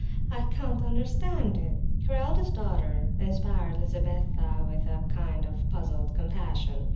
I can't understand it!" Her eldest daughter inspired Lizabetha with a kind of puzzled compassion.